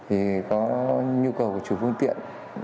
thì có nhu cầu của chủ phương tiện